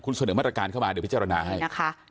คุณเสนอมาตรการเข้ามาเดี๋ยวพิจารณาให้นะคะ